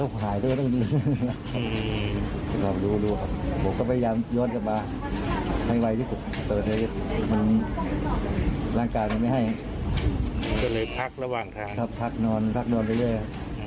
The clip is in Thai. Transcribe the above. รางการยังไม่ให้คือเลยพักระหว่างทางครับพักนอนพักนอนได้ด้วยอืม